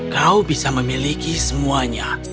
kau bisa memiliki semuanya